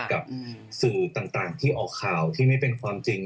กับสื่อต่างที่ออกข่าวที่ไม่เป็นความจริง